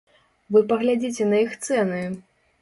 Вы паглядзіце на іх цэны!